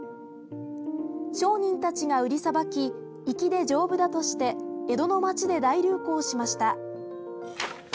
商人たちが売りさばき粋で丈夫だとして江戸の町で大流行しました。